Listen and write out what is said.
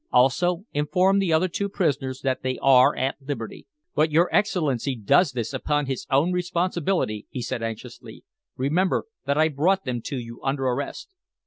Also inform the other two prisoners that they are at liberty." "But your Excellency does this upon his own responsibility," he said anxiously. "Remember that I brought them to you under arrest."